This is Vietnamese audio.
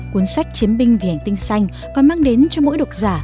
cuốn sách chiến binh vì hành tinh xanh còn mang đến cho mỗi độc giả